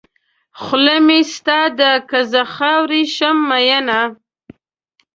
خوله مې ستا ده که زه خاورې شم مینه.